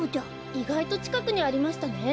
いがいとちかくにありましたね。